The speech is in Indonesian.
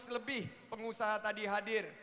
dua ratus lebih pengusaha tadi hadir